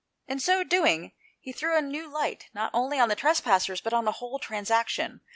In so doing he threw a new light not only upon the trespassers, lout upon the whole transaction.